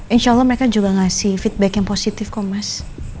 insya allah mereka juga ngasih feedback yang positif kok mas